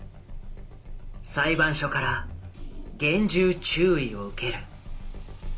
裁判所から厳重注意を受ける。